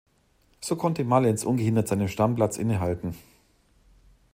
So konnte Mullins ungehindert seine Stammplatz innehalten.